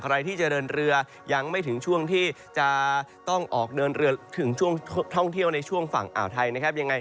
อาหารใครที่จะเดินเรือยังไม่ถึงช่วงที่จะต้องเอาเตี่ยวในช่วงฝั่งอ่าวไทย